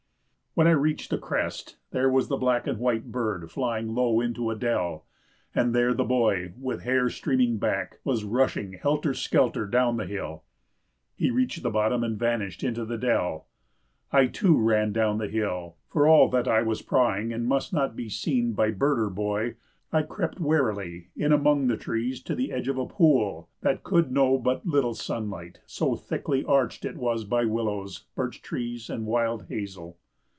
When I reached the crest there was the black and white bird flying low into a dell, and there the boy, with hair streaming back, was rushing helter skelter down the hill. He reached the bottom and vanished into the dell. I, too, ran down the hill. For all that I was prying and must not be seen by bird or boy, I crept warily in among the trees to the edge of a pool that could know but little sunlight, so thickly arched was it by willows, birch trees, and wild hazel.